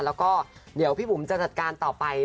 แล้วก็เดี๋ยวพี่บุ๋มจะจัดการต่อไป